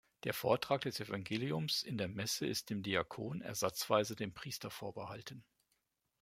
Der Vortrag des Evangeliums in der Messe ist dem Diakon, ersatzweise dem Priester vorbehalten.